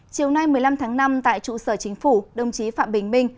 chiều nay một mươi năm tháng năm tại trụ sở chính phủ đồng chí phạm bình minh